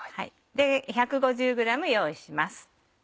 １５０ｇ用意します。